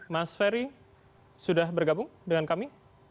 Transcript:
mas ferry sudah bergabung dengan kami